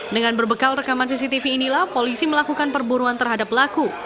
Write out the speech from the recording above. dengan berbekal rekaman cctv inilah polisi melakukan perburuan terhadap pelaku